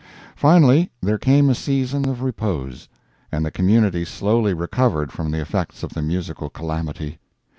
Finally there came a season of repose, and the community slowly recovered from the effects of the musical calamity.